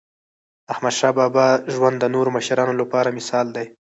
داحمدشاه بابا ژوند د نورو مشرانو لپاره مثال دی.